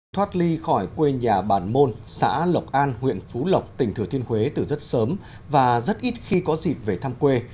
thoát ly khỏi quê nhà bản môn xã lộc an huyện phú lộc tỉnh thừa thiên huế từ rất sớm và rất ít khi có dịp về thăm quê